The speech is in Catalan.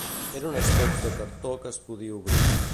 Era un estoig de cartó que es podia obrir